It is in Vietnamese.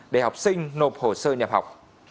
để học sinh nộp hồ sơ nhập học